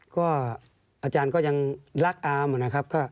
ก็อาจารย์ก็ยังรักอามนะครับ